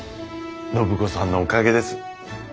暢子さんのおかげです。